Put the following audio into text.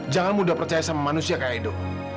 jangan mudah percaya sama manusia kayak hidup